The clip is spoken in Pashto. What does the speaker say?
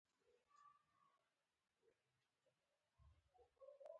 په یوه ګړۍ کې یو ارت بازار ته ورسېدو.